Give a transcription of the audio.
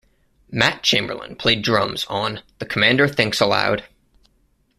Matt Chamberlain played drums on "The Commander Thinks Aloud".